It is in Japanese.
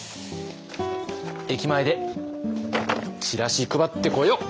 駅前でチラシ配ってこよう。